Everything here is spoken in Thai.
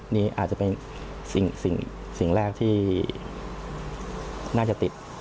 นี่อาจจะเป็นสิ่งแรกที่น่าจะติด